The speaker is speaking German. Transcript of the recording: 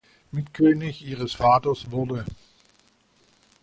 Mitkönig ihres Vaters wurde.